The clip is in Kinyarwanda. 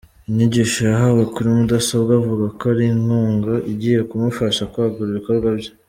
Inyigisho yahawe kuri mudasobwa avuga ko ari inkunga igiye kumufasha kwagura ibikorwa bye.